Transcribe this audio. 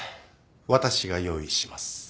私が用意します。